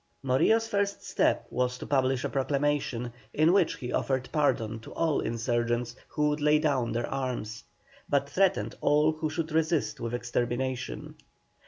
Morillo's first step was to publish a proclamation, in which he offered pardon to all insurgents who would lay down their arms, but threatened all who should resist with extermination.